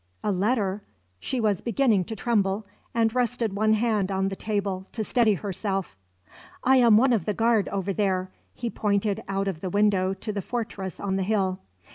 "A letter?" She was beginning to tremble, and rested one hand on the table to steady herself. "I'm one of the guard over there." He pointed out of the window to the fortress on the hill.